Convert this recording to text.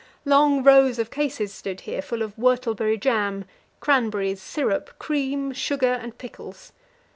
Long rows of cases stood here, full of whortleberry jam, cranberries, syrup, cream, sugar, and pickles.